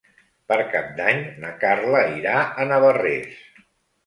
Per Cap d'Any na Carla irà a Navarrés.